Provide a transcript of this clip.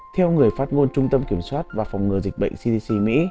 theo người phát ngôn trung tâm kiểm soát và phòng ngừa dịch bệnh cdc mỹ